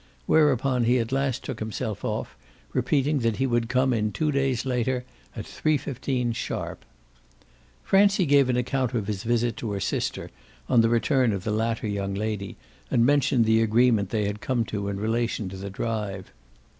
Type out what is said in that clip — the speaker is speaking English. Whereupon he at last took himself off, repeating that he would come in two days later, at 3.15 sharp. Francie gave an account of his visit to her sister, on the return of the latter young lady, and mentioned the agreement they had come to in relation to the drive.